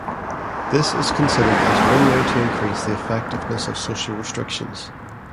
This is considered as one way to increase the effectiveness of social restrictions.